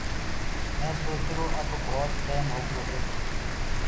مي سوچرو اب ڀوت ٽيم هوگو هي۔